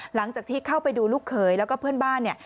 หลังจากที่เข้าไปดูลูกเขยแล้วก็เพื่อนบ้านเนี่ย